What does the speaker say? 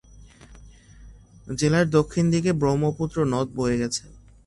জেলার দক্ষিণ দিকে ব্রহ্মপুত্র নদ বয়ে গেছে।